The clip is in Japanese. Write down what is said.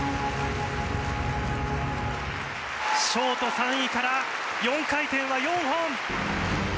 ショート３位から、４回転は４本！